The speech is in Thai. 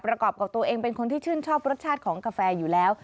กับตัวเองเป็นคนที่ชื่นชอบรสชาติของกาแฟอยู่แล้ว